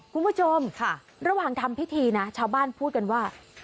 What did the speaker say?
คุณผู้ชมระหว่างทำพิธีนะชาวบ้านพูดกันว่า